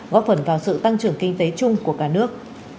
góp phần vào sự tăng trưởng kinh tế chung của cả nước